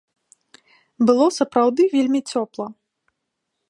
Было сапраўды вельмі цёпла.